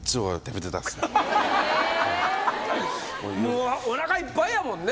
もうおなかいっぱいやもんね。